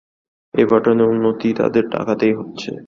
এভারটনের উন্নতি তাদের টাকাতেই হচ্ছে।